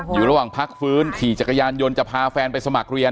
อยู่ระหว่างพักฟื้นขี่จักรยานยนต์จะพาแฟนไปสมัครเรียน